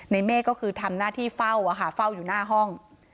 เมฆก็คือทำหน้าที่เฝ้าเฝ้าอยู่หน้าห้อง